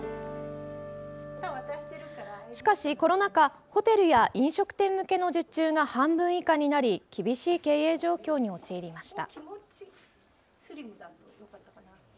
しかし、コロナ禍ホテルや飲食店向けの受注が半分以下になり厳しい経営状況に陥りました。